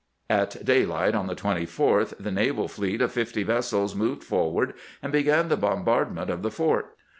At daylight on the 24th the naval fleet of fifty vessels moved forward and began the bombardment of the fort.